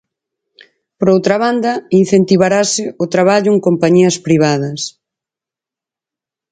Por outra banda, incentivarase o traballo en compañías privadas.